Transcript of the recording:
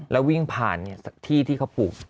แล้ววิ่งผ่านที่ที่เขาปลูก